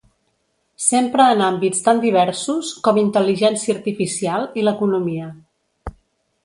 S'empra en àmbits tan diversos com Intel·ligència artificial i l'economia.